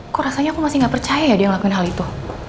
aku rasanya aku masih gak percaya ya dia melakukan hal itu